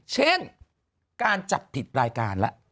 เช่นการจับผิดรายการแล้ว